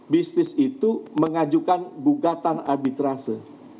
bisnis itu mengajukan bukatan arbitrase